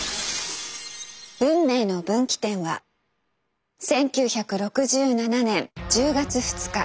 運命の分岐点は１９６７年１０月２日。